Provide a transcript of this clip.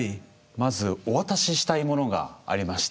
まずお渡ししたいものがありまして。